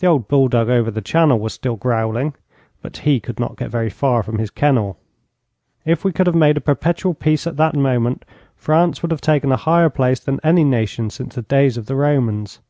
The old Bulldog over the Channel was still growling, but he could not get very far from his kennel. If we could have made a perpetual peace at that moment, France would have taken a higher place than any nation since the days of the Romans.